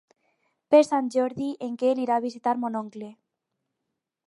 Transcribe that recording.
Per Sant Jordi en Quel irà a visitar mon oncle.